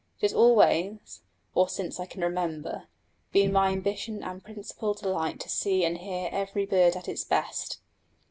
It has always, or since I can remember, been my ambition and principal delight to see and hear every bird at its best.